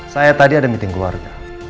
saya tadi ada meeting keluarga